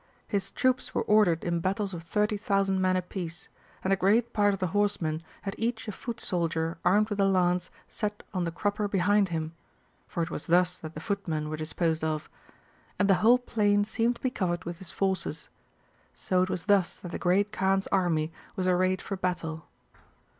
His troops were ordered in battles of 30,000 men apiece ; and a great part of the horsemen had each a foot soldier armed with a lance set on the crupper behind him (for it was thus that the foot men were disposed of) ;^ and the whole plain seemed to be covered with his forces. So it was thus that the Great Kaan's army was arrayed for battle.